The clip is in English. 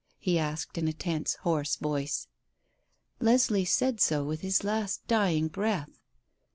he asked, in a tense, hoarse voice. "Leslie said so with his last dying breath."